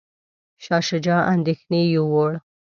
شاه شجاع اندیښنې یووړ.